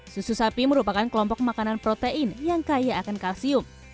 susu sapi merupakan kelompok makanan protein yang kaya akan kalsium